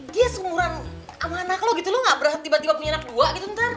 dia seumuran sama anak lo gitu lo gabrah tiba dua punya anak dua gitu ntar